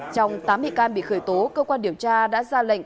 trong tám bị can bị khởi tố cơ quan điều tra đã ra lệnh